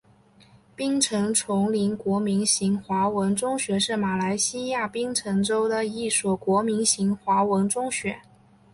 槟城锺灵国民型华文中学是马来西亚槟城州的一所国民型华文中学。